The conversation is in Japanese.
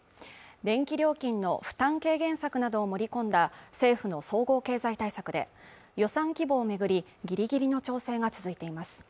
電気料金の負担軽減策などを盛り込んだ政府の総合経済対策で予算規模を巡りぎりぎりの調整が続いています